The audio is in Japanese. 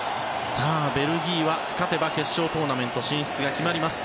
さあ、ベルギーは勝てば決勝トーナメント進出が決まります。